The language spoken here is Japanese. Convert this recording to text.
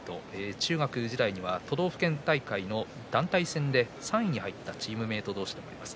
中学時代には都道府県大会の団体戦で３位に入ったチームメート同士です。